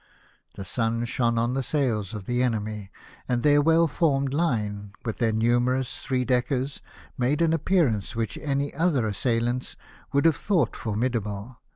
The sun shone on the sails of the enemy ; and their well formed line, with their numerous three deckers, made an appearance which any other assailants would have thought formidable.